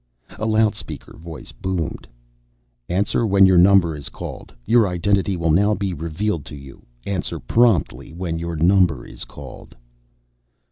A loudspeaker voice boomed, "Answer when your number is called. Your identity will now be revealed to you. Answer promptly when your number is called."